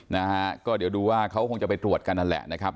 นะฮะก็เดี๋ยวดูว่าเขาคงจะไปตรวจกันนั่นแหละนะครับ